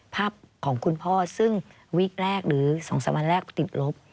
ภาพของคุณพ่อซึ่งวีคแรกหรือ๒๓วันแรกติดลบ